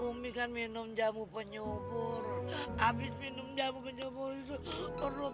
umi kan minum jamu penyumbur habis minum jamu penyumbur urut